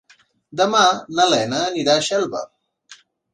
Demà na Lena anirà a Xelva.